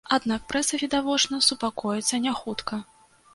Аднак прэса, відавочна, супакоіцца не хутка.